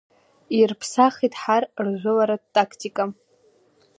Ирԥсахит ҳар ржәыларатә тактика…